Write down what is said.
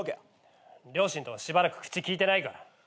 両親とはしばらく口利いてないから。